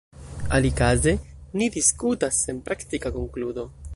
Alikaze ni diskutas sen praktika konkludo.